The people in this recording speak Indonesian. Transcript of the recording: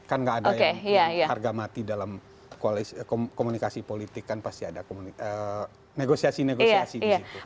kan nggak ada yang harga mati dalam komunikasi politik kan pasti ada negosiasi negosiasi di situ